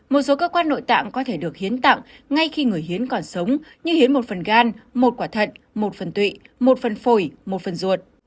một số cơ quan nội tạng có thể được hiến tặng ngay khi người hiến còn sống như hiến một phần gan một quả thận một phần tụy một phần phổi một phần ruột